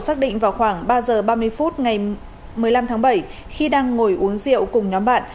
xác định vào khoảng ba giờ ba mươi phút ngày một mươi năm tháng bảy khi đang ngồi uống rượu cùng nhóm bạn